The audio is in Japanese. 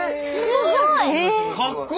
すごい。